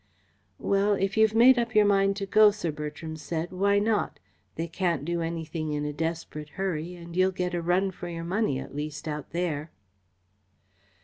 "Well, if you have made up your mind to go," Sir Bertram said, "why not? They can't do anything in a desperate hurry, and you'll get a run for your money at least out there."